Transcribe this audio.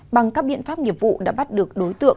bằng các biện pháp nghiệp vụ đã bắt được đối tượng